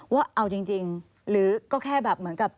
ว่าเอาจริงหรือก็แค่แบบเหมือนกับ